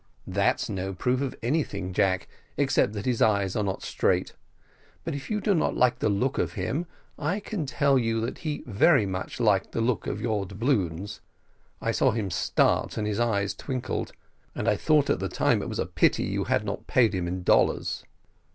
"That's no proof of anything, Jack, except that his eyes are not straight; but if you do not like the look of him, I can tell you that he very much liked the look of your doubloons I saw him start, and his eyes twinkled, and I thought at the time it was a pity you had not paid him in dollars."